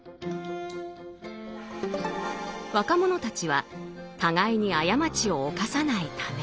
若者たちは互いに過ちを犯さないため。